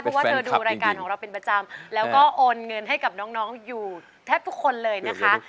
เพราะว่าเธอดูรายการของเราเป็นประจำแล้วก็โอนเงินให้กับน้องอยู่แทบทุกคนเลยนะคะ